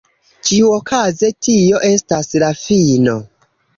Ĉiuokaze tio estas la fino.